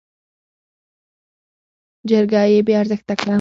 جرګه يې بې ارزښته کړه.